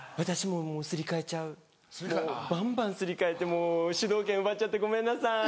もうバンバンすり替えてもう主導権奪っちゃってごめんなさい。